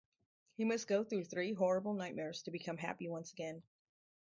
He must go through three horrible nightmares to become happy once again.